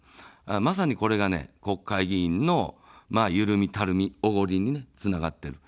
まさにこれが国会議員のゆるみ、たるみ、おごりにつながっている。